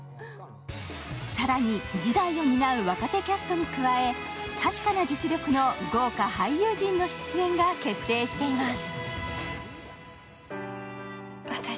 更に次代を担う若手キャストに加え確かな豪華俳優陣の出演が決定しています。